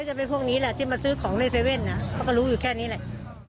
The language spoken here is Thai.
จะเป็นพวกนี้แหละที่มาซื้อของในเว่นนะเขาก็รู้อยู่แค่นี้แหละ